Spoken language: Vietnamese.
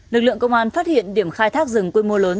lực lượng công an phát hiện điểm khai thác rừng quy mô lớn